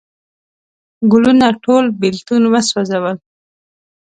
ګلونه ټول بیلتون وسوزل